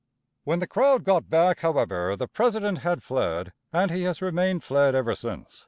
When the crowd got back, however, the president had fled and he has remained fled ever since.